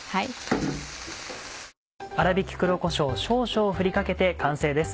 粗びき黒こしょう少々振り掛けて完成です。